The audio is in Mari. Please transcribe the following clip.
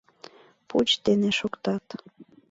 — Пуч дене шоктат.